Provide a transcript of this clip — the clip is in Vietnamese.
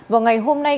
vào ngày hôm nay